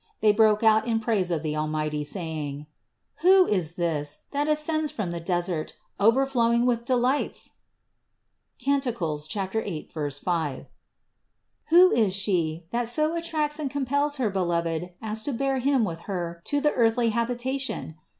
They broke out in praise of the Almighty, saying: "Who is this, that ascends from the desert, overflowing with delights? (Cant. 8, 5). Who is She, that so attracts and compels her Beloved as to bear Him with Her to the earthly habitation?